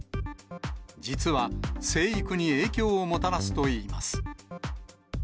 実は、生育に影響をもたらすといいます。